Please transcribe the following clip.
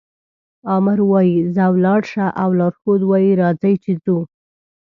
آمر وایي ځه ولاړ شه او لارښود وایي راځئ چې ځو.